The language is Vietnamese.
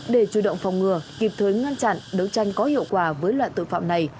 để chủ động phòng ngừa kịp thời ngăn chặn đấu tranh có hiệu quả với loại tội phạm này